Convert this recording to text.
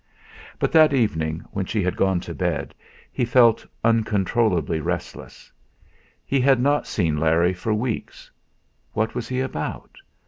But that evening when she had gone to bed he felt uncontrollably restless. He had not seen Larry for weeks. What was he about?